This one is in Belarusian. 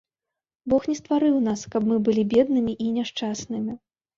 Бог не стварыў нас, каб мы былі беднымі і няшчаснымі.